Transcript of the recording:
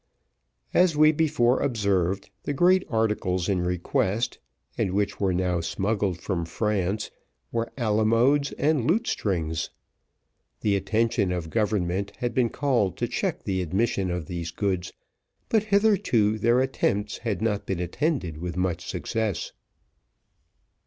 As we before observed, the great articles in request, and which were now smuggled from France, were alamodes and lutestrings. The attention of government had been called to check the admission of these goods, but hitherto their attempts had not been attended with much success.